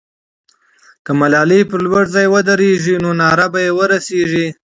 که ملالۍ پر لوړ ځای ودرېږي، نو ناره به یې ورسېږي.